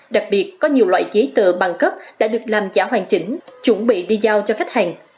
đặc biệt có nhiều loại giấy tờ bằng cấp đã được làm giả hoàn chỉnh chuẩn bị đi giao cho khách hàng